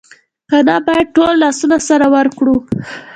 که نه باید ټول لاسونه سره ورکړو